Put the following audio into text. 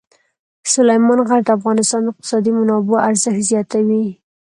سلیمان غر د افغانستان د اقتصادي منابعو ارزښت زیاتوي.